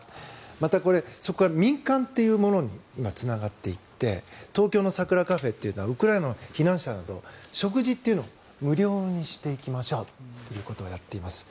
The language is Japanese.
またそこから民間というものにつながっていって東京のサクラカフェというのはウクライナの避難者などに食事というのを無料にしていきましょうということをやっています。